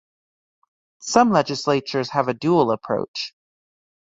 Some legislatures have a dual approach.